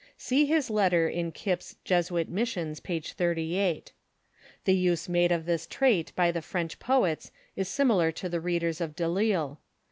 See his letter in Kip's "Jesuit Missions," p. 38. The use made of this trait by the French poets is familiar to the readers of Delille.